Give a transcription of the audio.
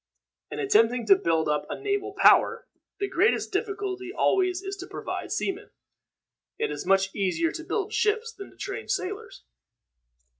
In attempting to build up a naval power, the greatest difficulty, always, is to provide seamen. It is much easier to build ships than to train sailors.